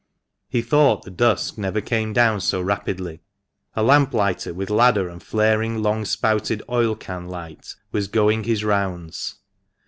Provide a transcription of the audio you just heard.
He thought the dusk never came down so rapidly. A lamplighter, with ladder and flaring long spouted oil can light, was going his rounds.